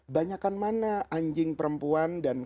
banyakan mana anjing perempuan dan kambing ini